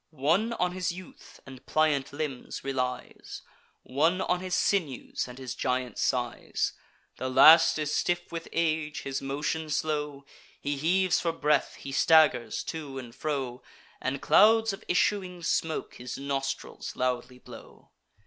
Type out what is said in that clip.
One on his youth and pliant limbs relies; One on his sinews and his giant size. The last is stiff with age, his motion slow; He heaves for breath, he staggers to and fro, And clouds of issuing smoke his nostrils loudly blow.